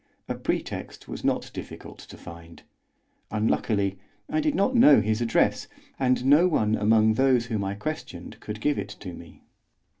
A pretext was not difficult to find; unluckily I did not know his address, and no one among those whom I questioned could give it to me.